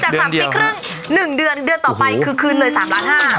จาก๓ปีครึ่ง๑เดือนเดือนต่อไปคือคืนหน่วย๓๕๐๐บาทใช่ครับ